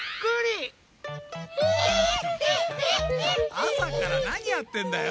あさっからなにやってんだよ！